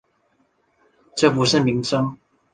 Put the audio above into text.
这不是民主